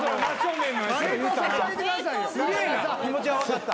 気持ちは分かった。